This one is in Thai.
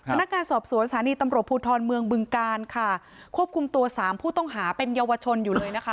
พนักงานสอบสวนสถานีตำรวจภูทรเมืองบึงการค่ะควบคุมตัวสามผู้ต้องหาเป็นเยาวชนอยู่เลยนะคะ